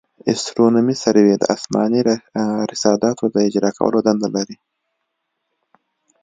استرونومي سروې د اسماني رصاداتو د اجرا کولو دنده لري